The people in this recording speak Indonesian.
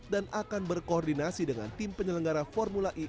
dan akan berkoordinasi dengan tim penyelenggara formula e